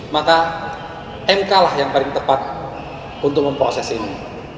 maka mk lah yang paling tepat untuk memproses ini